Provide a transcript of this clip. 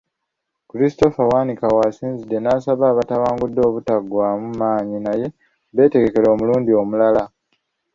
Christopher Bwanika w'asinzidde n'asaba abatawangudde obutaggwaamu maanyi naye beetegekere omulundu omulala.